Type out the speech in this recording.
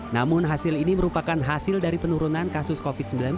namun hasil ini merupakan hasil dari penurunan kasus covid sembilan belas